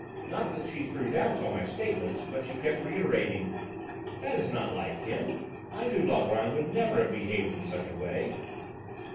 "Not that she threw doubts on my statements, but she kept reiterating, 'That is not like him; I know Valgrand would never have behaved in such a way!'